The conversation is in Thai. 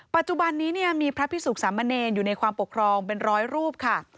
ปัจจุบันนี้มีพระพิสุขสามเณรอยู่ในความปกครองเป็นร้อยรูปค่ะ